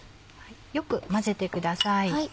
よく混ぜてください。